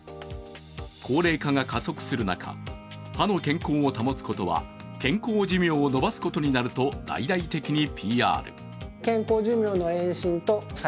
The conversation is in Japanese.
高齢化が加速する中、歯の健康を保つことは健康寿命を伸ばすことになると大々的にＰＲ。